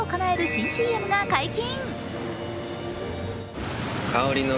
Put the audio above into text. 新ＣＭが解禁。